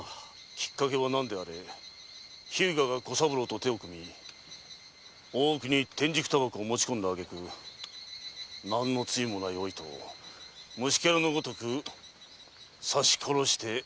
きっかけは何であれ日向が小三郎と手を組み大奥に天竺煙草を持ち込んだあげく何の罪もないお糸を虫けらのごとく刺し殺して堀に棄てた。